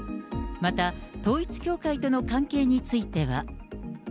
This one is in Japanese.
また、統一教会との関係については。